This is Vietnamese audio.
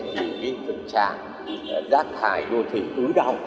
thì cái tình trạng rác thải đô thị ứ động